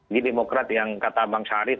di demokrat yang kata bang sarif